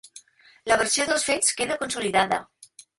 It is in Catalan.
La versió dels fets queda consolidada.